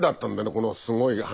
このすごい話。